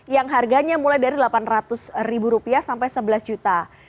yang harganya mulai dari rp delapan ratus sampai rp sebelas